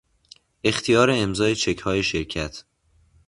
اختیار امضای چکهای شرکت